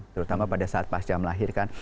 terutama pada saat pasca melahirkan